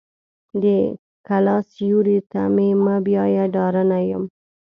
د کلا سیوري ته مې مه بیایه ډارنه یم.